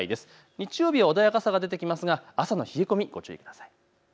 日曜日は穏やかさが出てきますが朝の冷え込み、ご注意ください。